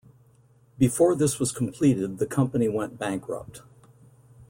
Before this was completed, the company went bankrupt.